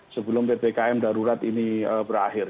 sebelum ppkm darurat ini berakhir